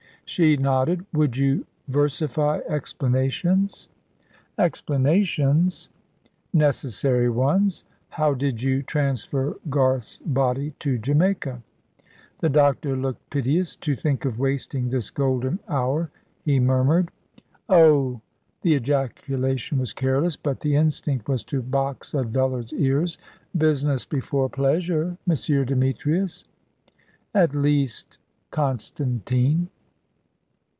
She nodded. "Would you versify explanations?" "Explanations?" "Necessary ones. How did you transfer Garth's body to Jamaica?" The doctor looked piteous. "To think of wasting this golden hour," he murmured. "Oh!" The ejaculation was careless, but the instinct was to box a dullard's ears. "Business before pleasure, M. Demetrius." "At least, Constantine."